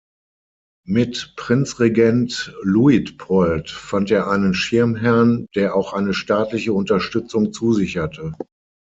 Mit Prinzregent Luitpold fand er einen Schirmherrn, der auch eine staatliche Unterstützung zusicherte.